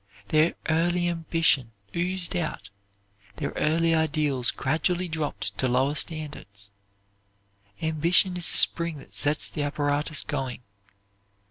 Their early ambition oozed out, their early ideals gradually dropped to lower standards. Ambition is a spring that sets the apparatus going.